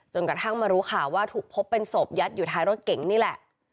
กระทั่งมารู้ข่าวว่าถูกพบเป็นศพยัดอยู่ท้ายรถเก๋งนี่แหละ